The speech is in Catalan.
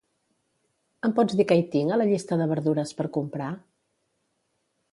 Em pots dir què hi tinc a la llista de verdures per comprar?